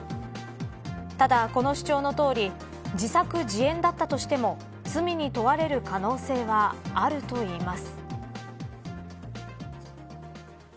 ただ、この主張のとおり自作自演だったとしても罪に問われる可能性はあるといいます。